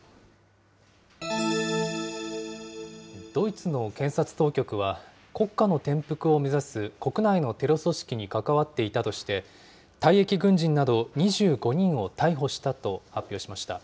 ドイツの検察当局は、国家の転覆を目指す国内のテロ組織に関わっていたとして、退役軍人など２５人を逮捕したと発表しました。